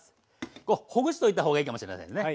こうほぐしておいた方がいいかもしれませんね。